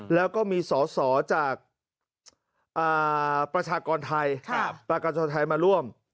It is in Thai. แล้วก็มีสอสอจากประชากรไทยมาร่วม